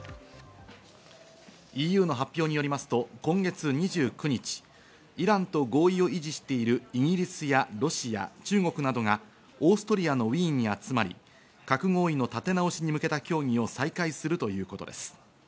ＥＵの発表によりますと今月２９日、イランと合意を維持しているイギリスやロシア、中国などがオーストリアのウィーンに集まり核合意の立て直しに向けた協議を再開するということです。